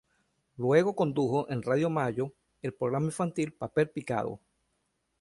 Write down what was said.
Luego condujo en Radio Mayo el programa infantil "Papel Picado".